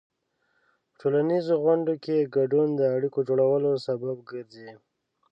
په ټولنیزو غونډو کې ګډون د اړیکو جوړولو سبب ګرځي.